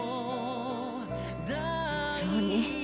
そうね。